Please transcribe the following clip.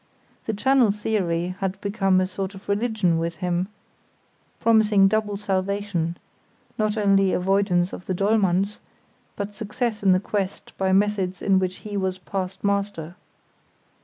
The channel theory had become a sort of religion with him, promising double salvation—not only avoidance of the Dollmanns, but success in the quest by methods in which he was past master.